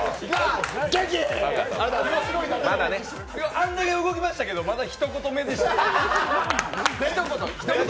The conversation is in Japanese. あんだけ動きましたけどまだひと言目です。